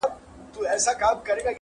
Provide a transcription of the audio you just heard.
څوك به اخلي د پېړيو كساتونه!.